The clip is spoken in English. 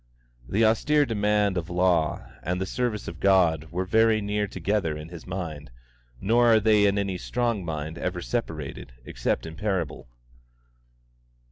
The austere demand of law and the service of God were very near together in his mind; nor are they in any strong mind ever separated except in parable.